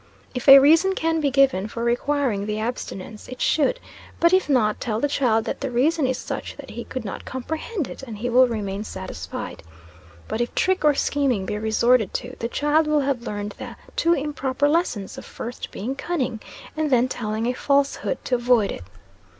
If a reason can be given for requiring the abstinence; it should; but if not tell the child that the reason is such that he could not comprehend it, and he will remain satisfied. But if trick or scheming be resorted to, the child will have learned the two improper lessons of first being cunning, and then telling a falsehood to avoid it.